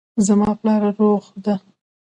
زما پلار روغ ده